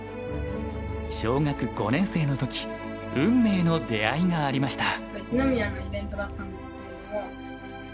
小学５年生の時運命の出会いがありました。